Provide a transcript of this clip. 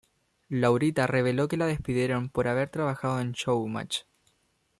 Laurita reveló que la despidieron por haber trabajado en Showmatch.